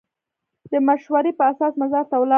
د مشورې په اساس مزار ته ولاړ.